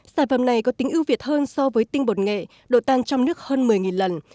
sản phẩm này có tính ưu việt hơn so với tinh bột nghệ độ tan trong nước hơn một mươi lần